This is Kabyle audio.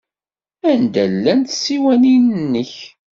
Anda llant tsiwanin-nnek?